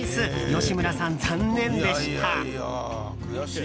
吉村さん、残念でした。